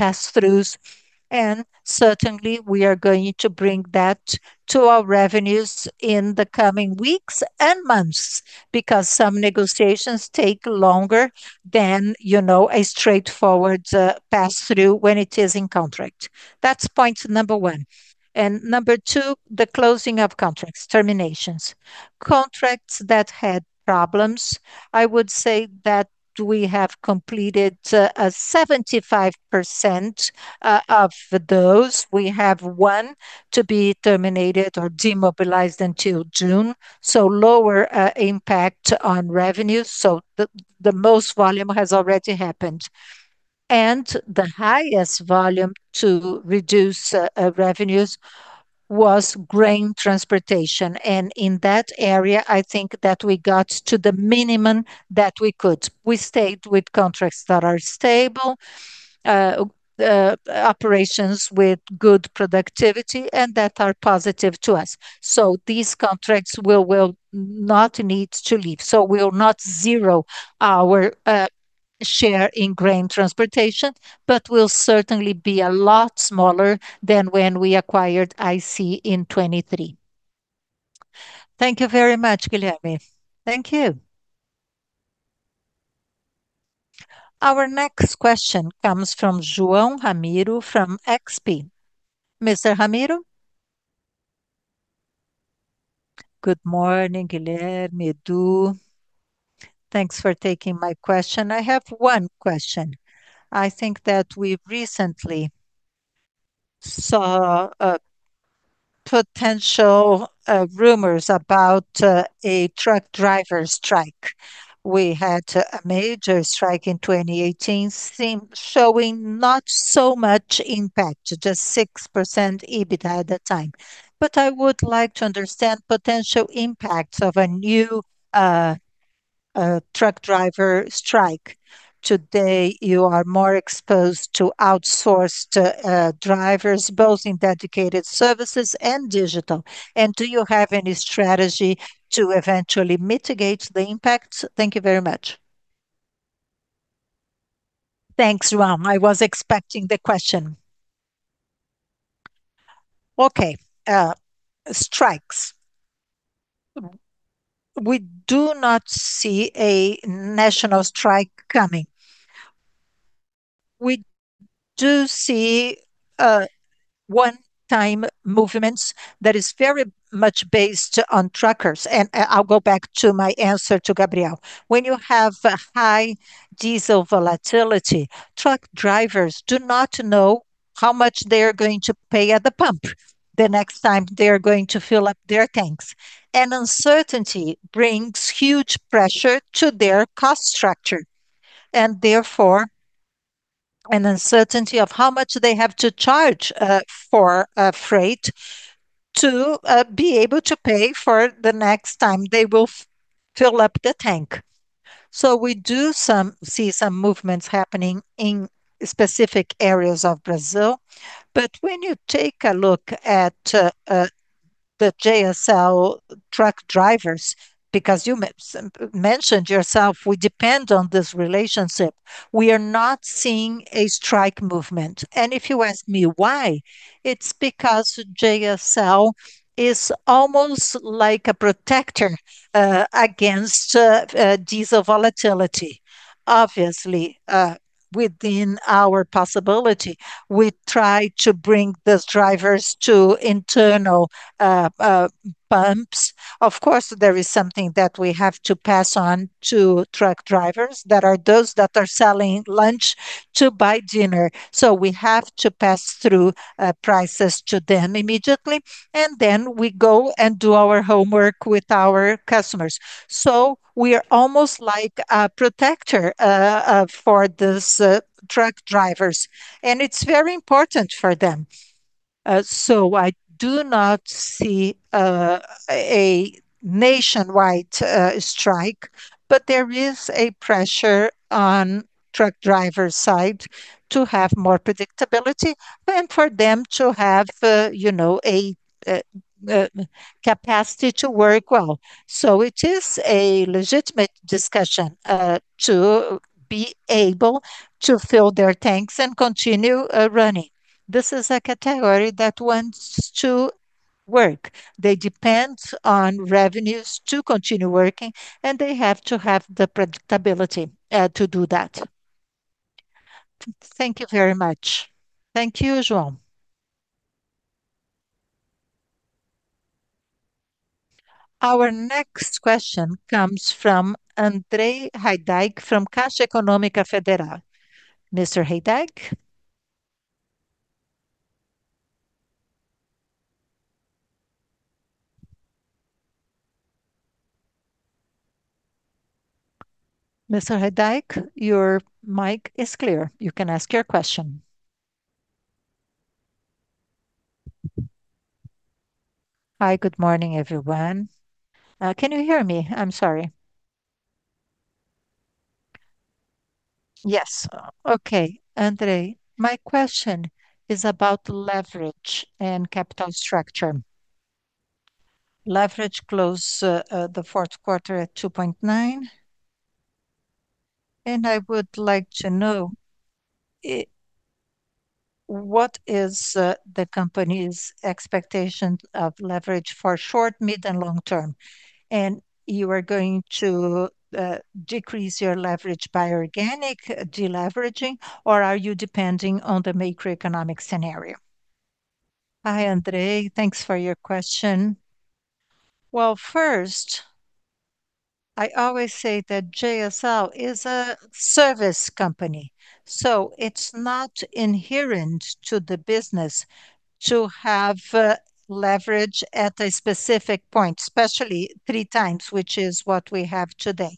Speaker 2: pass-throughs. Certainly, we are going to bring that to our revenues in the coming weeks and months because some negotiations take longer than, you know, a straightforward pass-through when it is in contract. That's point number one. Number two, the closing of contracts, terminations. Contracts that had problems, I would say that we have completed 75% of those. We have one to be terminated or demobilized until June, so lower impact on revenues. The most volume has already happened. The highest volume to reduce revenues was grain transportation. In that area, I think that we got to the minimum that we could. We stayed with contracts that are stable operations with good productivity, and that are positive to us. These contracts will not need to leave. We will not zero our share in grain transportation, but will certainly be a lot smaller than when we acquired IC in 2023.
Speaker 7: Thank you very much, Guilherme.
Speaker 2: Thank you.
Speaker 1: Our next question comes from João Ramiro from XP. Mr. Ramiro.
Speaker 8: Good morning, Guilherme, Edu. Thanks for taking my question. I have one question. I think that we recently saw potential rumors about a truck driver strike. We had a major strike in 2018 seeming to show not so much impact, just 6% EBITDA at the time. I would like to understand potential impacts of a new truck driver strike. Today, you are more exposed to outsourced drivers, both in Dedicated Services and Digital. Do you have any strategy to eventually mitigate the impact? Thank you very much.
Speaker 2: Thanks, João. I was expecting the question. Okay, strikes. We do not see a national strike coming. We do see one-time movements that is very much based on truckers, and I'll go back to my answer to Gabriel. When you have a high diesel volatility, truck drivers do not know how much they are going to pay at the pump the next time they are going to fill up their tanks. Uncertainty brings huge pressure to their cost structure, and therefore an uncertainty of how much they have to charge for a freight to be able to pay for the next time they will fill up the tank. We see some movements happening in specific areas of Brazil. When you take a look at the JSL truck drivers, because you mentioned yourself, we depend on this relationship. We are not seeing a strike movement. If you ask me why, it's because JSL is almost like a protector against diesel volatility. Obviously, within our possibility, we try to bring those drivers to internal pumps. Of course, there is something that we have to pass on to truck drivers that are those that are selling lunch to buy dinner. We have to pass through prices to them immediately, and then we go and do our homework with our customers. We are almost like a protector for those truck drivers, and it's very important for them. I do not see a nationwide strike, but there is a pressure on truck drivers' side to have more predictability and for them to have, you know, a capacity to work well. It is a legitimate discussion to be able to fill their tanks and continue running. This is a category that wants to work. They depend on revenues to continue working, and they have to have the predictability to do that.
Speaker 8: Thank you very much.
Speaker 2: Thank you, João.
Speaker 1: Our next question comes from [André Heidieck] from Caixa Econômica Federal. Mr. Heidieck. Mr. Heidieck, your mic is clear. You can ask your question.
Speaker 9: Hi, good morning, everyone. Can you hear me? I'm sorry.
Speaker 2: Yes. Okay, André.
Speaker 9: My question is about leverage and capital structure. Leverage closed the fourth quarter at 2.9x, and I would like to know what is the company's expectation of leverage for short, mid, and long-term. You are going to decrease your leverage by organic deleveraging, or are you depending on the macroeconomic scenario?
Speaker 2: Hi, André. Thanks for your question. Well, first, I always say that JSL is a service company, so it's not inherent to the business to have leverage at a specific point, especially three times, which is what we have today.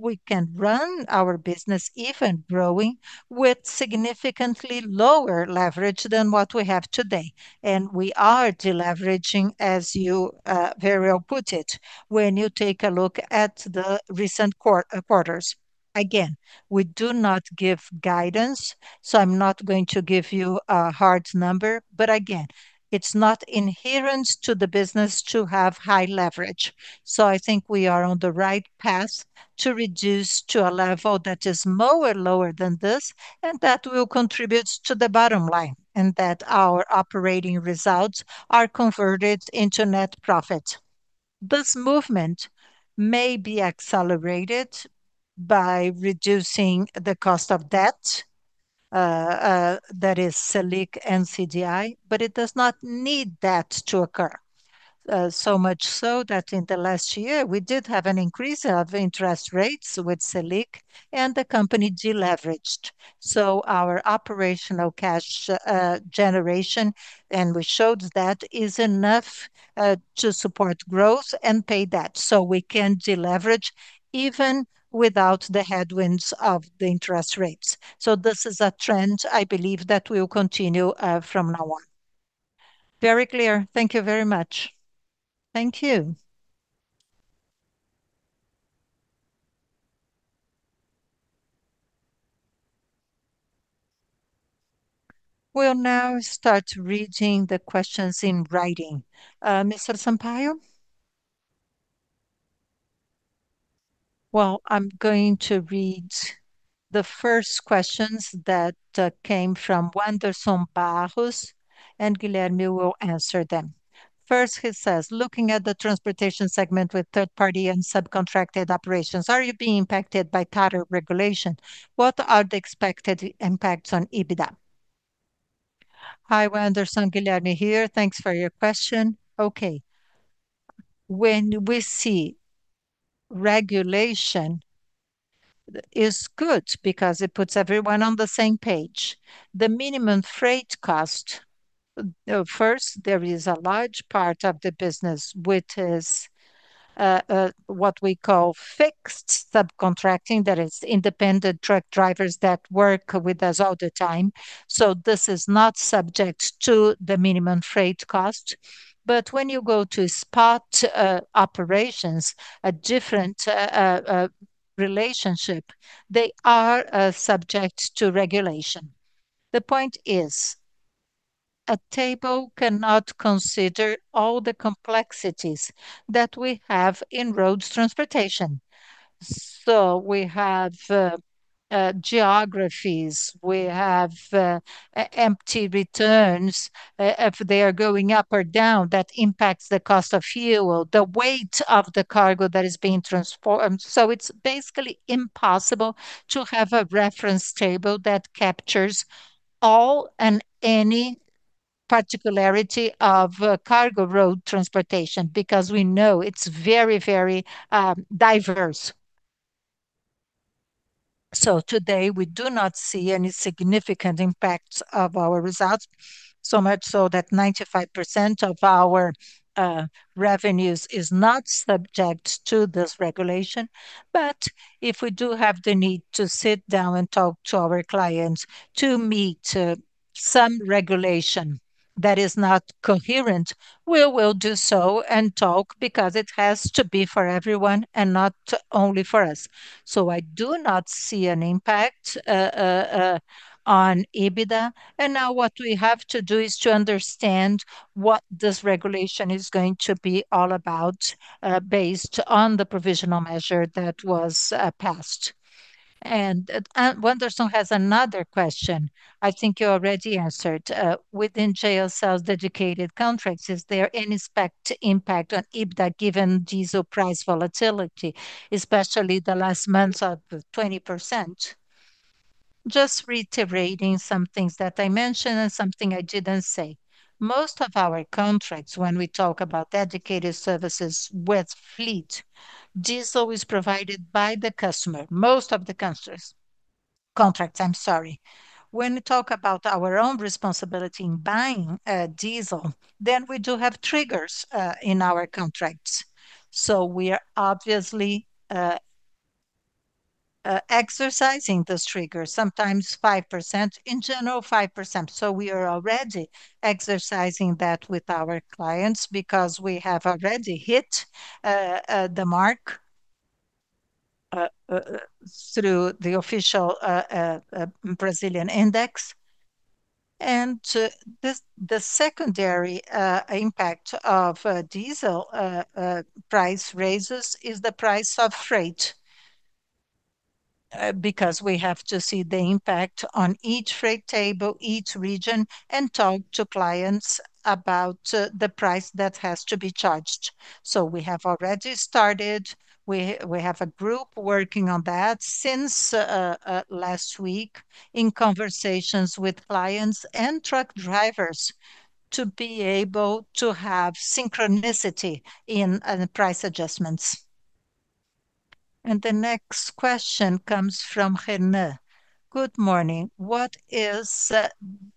Speaker 2: We can run our business, even growing, with significantly lower leverage than what we have today, and we are deleveraging, as you very well put it, when you take a look at the recent quarters. Again, we do not give guidance, so I'm not going to give you a hard number. Again, it's not inherent to the business to have high leverage. I think we are on the right path to reduce to a level that is more lower than this, and that will contribute to the bottom line, and that our operating results are converted into net profit. This movement may be accelerated by reducing the cost of debt, that is Selic and CDI, but it does not need that to occur. So much so that in the last year we did have an increase of interest rates with Selic, and the company deleveraged. Our operational cash, generation, and we showed that, is enough, to support growth and pay debt. We can deleverage even without the headwinds of the interest rates. This is a trend I believe that will continue, from now on.
Speaker 9: Very clear. Thank you very much.
Speaker 2: Thank you.
Speaker 1: We'll now start reading the questions in writing. Mr. Sampaio. Well, I'm going to read the first questions that, came from [Wanderson Barros], and Guilherme will answer them. First, he says, "Looking at the transportation segment with third party and subcontracted operations, are you being impacted by tariff regulation? What are the expected impacts on EBITDA?"
Speaker 2: Hi, [Wanderson]. Guilherme here. Thanks for your question. Okay. When we see regulation is good because it puts everyone on the same page. The minimum freight cost. First, there is a large part of the business which is what we call fixed subcontracting. That is independent truck drivers that work with us all the time, so this is not subject to the minimum freight cost. When you go to spot operations, a different relationship, they are subject to regulation. The point is, a table cannot consider all the complexities that we have in road transportation. We have geographies. We have empty returns. If they are going up or down, that impacts the cost of fuel, the weight of the cargo that is being transformed. It's basically impossible to have a reference table that captures all and any particularity of cargo road transportation, because we know it's very diverse. Today we do not see any significant impacts of our results, so much so that 95% of our revenues is not subject to this regulation. If we do have the need to sit down and talk to our clients to meet some regulation that is not coherent, we will do so and talk because it has to be for everyone and not only for us. I do not see an impact on EBITDA. Now what we have to do is to understand what this regulation is going to be all about, based on the provisional measure that was passed.
Speaker 1: [Wanderson] has another question I think you already answered. Within JSL's dedicated contracts, is there any expected impact on EBITDA given diesel price volatility, especially the last month's 20%?
Speaker 2: Just reiterating some things that I mentioned and something I didn't say. Most of our contracts when we talk about dedicated services with fleet, diesel is provided by the customer. Most of the contracts, I'm sorry. When we talk about our own responsibility in buying diesel, then we do have triggers in our contracts. We are obviously exercising those triggers, sometimes 5%, in general 5%. We are already exercising that with our clients because we have already hit the mark through the official Brazilian index. To this, the secondary impact of diesel price raises is the price of freight because we have to see the impact on each freight table, each region, and talk to clients about the price that has to be charged. We have already started. We have a group working on that since last week in conversations with clients and truck drivers to be able to have synchronicity in the price adjustments.
Speaker 1: The next question comes from [Renata]. Good morning. What is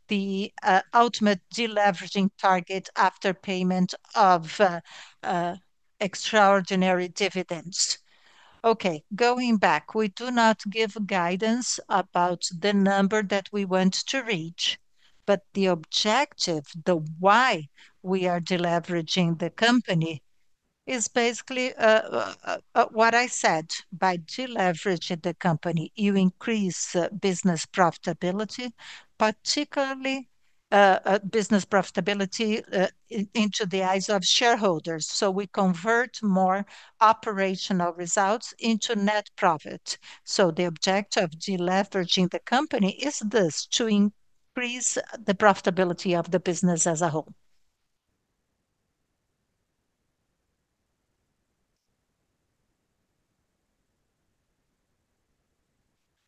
Speaker 1: the ultimate deleveraging target after payment of extraordinary dividends?
Speaker 2: Okay. Going back, we do not give guidance about the number that we want to reach, but the objective, the why we are deleveraging the company is basically what I said. By deleveraging the company, you increase business profitability, particularly into the eyes of shareholders. So we convert more operational results into net profit. So the objective deleveraging the company is this, to increase the profitability of the business as a whole.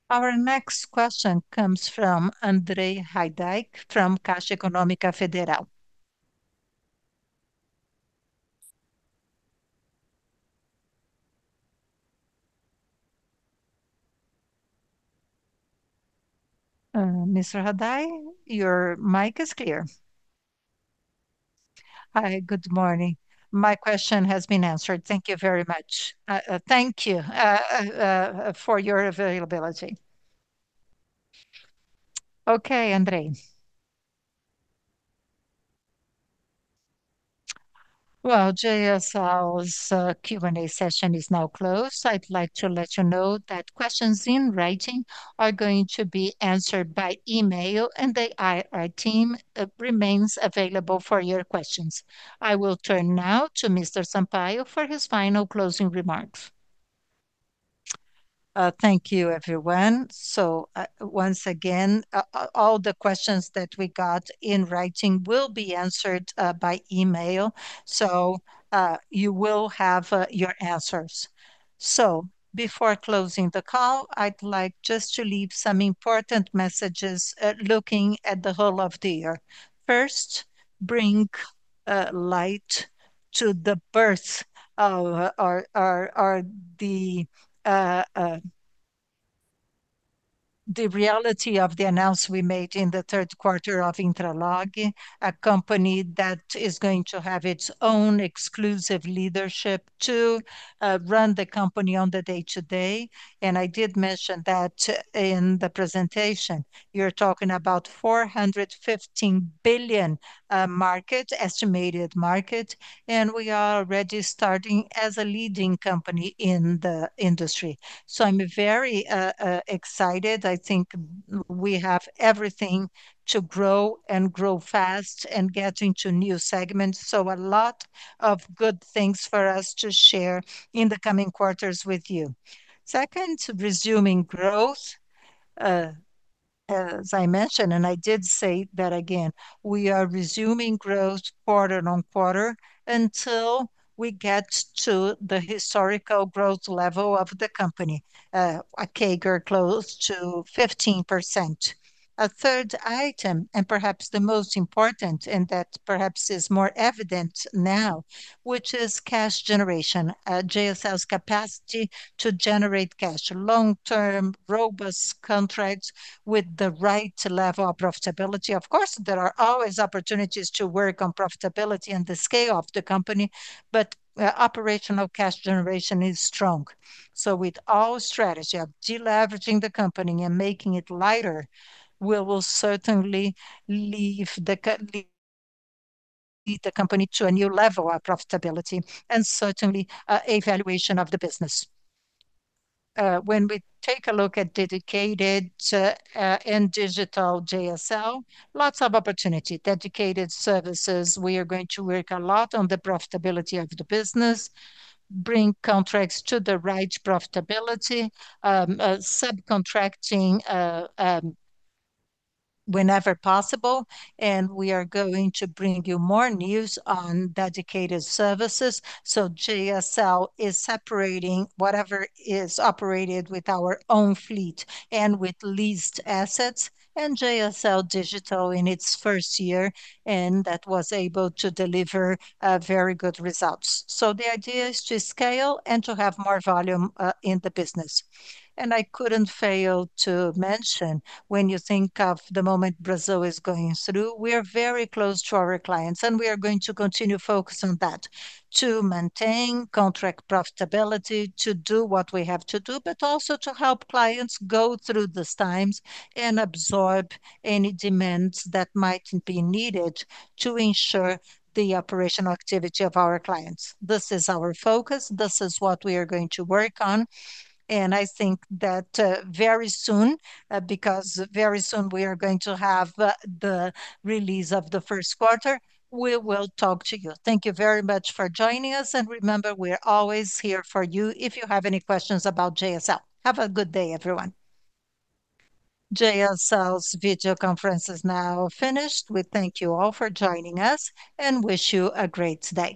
Speaker 1: Our next question comes from [André Heida] from Caixa Econômica Federal. Mr. [Heida], your mic is clear.
Speaker 9: Hi, good morning. My question has been answered. Thank you very much. Thank you for your availability.
Speaker 2: Okay, André.
Speaker 1: Well, JSL's Q&A session is now closed. I'd like to let you know that questions in writing are going to be answered by email, and the IR team remains available for your questions. I will turn now to Mr. Sampaio for his final closing remarks.
Speaker 2: Thank you, everyone. Once again, all the questions that we got in writing will be answered by email. You will have your answers. Before closing the call, I'd like just to leave some important messages looking at the whole of the year. First, bring light to the birth of our the reality of the announcement we made in the third quarter of Intralog, a company that is going to have its own exclusive leadership to run the company on the day-to-day. I did mention that in the presentation. You're talking about 415 billion estimated market, and we are already starting as a leading company in the industry. I'm very excited. I think we have everything to grow and grow fast and get into new segments. A lot of good things for us to share in the coming quarters with you. Second, resuming growth. As I mentioned, and I did say that again, we are resuming growth quarter-on-quarter until we get to the historical growth level of the company, a CAGR close to 15%. A third item, perhaps the most important, and that perhaps is more evident now, which is cash generation. JSL's capacity to generate cash long-term, robust contracts with the right level of profitability. Of course, there are always opportunities to work on profitability and the scale of the company, but operational cash generation is strong. With our strategy of deleveraging the company and making it lighter, we will certainly leave the company to a new level of profitability and certainly valuation of the business. When we take a look at Dedicated, too, in JSL Digital, lots of opportunity. Dedicated Services, we are going to work a lot on the profitability of the business, bring contracts to the right profitability, subcontracting whenever possible, and we are going to bring you more news on Dedicated Services. JSL is separating whatever is operated with our own fleet and with leased assets. JSL Digital in its first year, and that was able to deliver very good results. The idea is to scale and to have more volume in the business. I couldn't fail to mention, when you think of the moment Brazil is going through, we are very close to our clients, and we are going to continue to focus on that, to maintain contract profitability, to do what we have to do, but also to help clients go through these times and absorb any demands that might be needed to ensure the operational activity of our clients. This is our focus. This is what we are going to work on. I think that, very soon, because very soon we are going to have the release of the first quarter, we will talk to you. Thank you very much for joining us and remember we are always here for you if you have any questions about JSL. Have a good day everyone.
Speaker 1: JSL's video conference is now finished. We thank you all for joining us and wish you a great day.